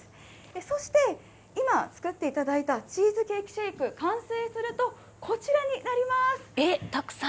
そして今作っていただいたチーズケーキシェイク、完成すると、こちらになります。